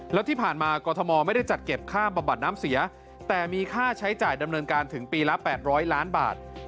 แล้วที่ผ่านมากรทมไม่ได้จัดเก็บค่าบำบัดน้ำเสียแต่มีค่าใช้จ่ายดำเนินการถึงปีละ๘๐๐ล้านบาท